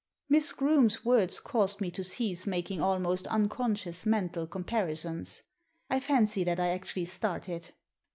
Miss Groome's words caused me to cease making almost unconscious mental comparisons, I fancy that I actually started.